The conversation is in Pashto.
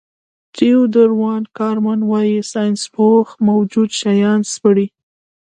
تیودور وان کارمن وايي ساینسپوه موجود شیان سپړي.